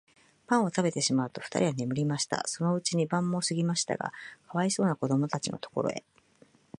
パンをたべてしまうと、ふたりは眠りました。そのうちに晩もすぎましたが、かわいそうなこどもたちのところへ、